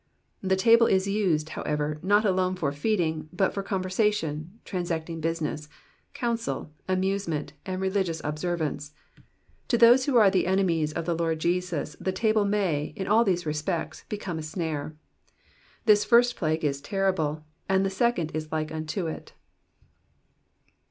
The table is used, however, not alone for feeding, but for conversation, transacting business, counsel, amusement, and religious observance : to those who are the enemies of the Lord Jesus the table may, in all these respects, become a snare. This first plague is terrible, and the second is like unto it.